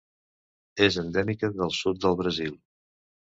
És endèmica del sud del Brasil.